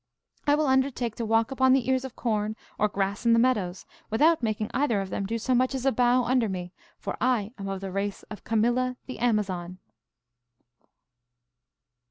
I will undertake to walk upon the ears of corn or grass in the meadows, without making either of them do so much as bow under me, for I am of the race of Camilla the Amazon.